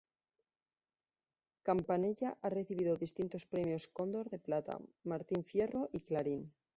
Campanella ha recibido distintos premios Cóndor de Plata, Martín Fierro y Clarín.